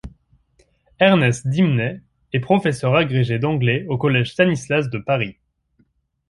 Ernest Dimnet est professeur agrégé d'anglais au collège Stanislas de Paris.